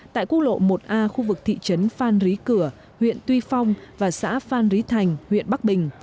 tại quốc lộ một a khu vực thị trấn phan rí cửa huyện tuy phong và xã phan rí thành huyện bắc bình